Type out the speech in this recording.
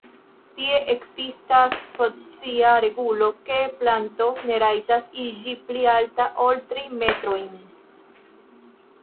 Tie ekzistas socia regulo, ke planto ne rajtas iĝi pli alta ol tri metrojn.